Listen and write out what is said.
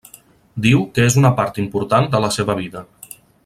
Diu que és una part important de la seva vida.